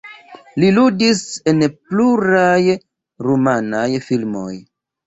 Li ludis en pluraj rumanaj filmoj.